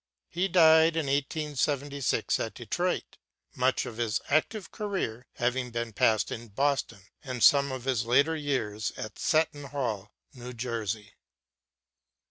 He died in 1876 at Detroit, much of his active career having been passed in Boston, and some of his later years at Seton Hall, New Jersey.